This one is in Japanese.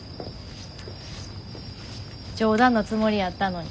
冗談のつもりやったのに。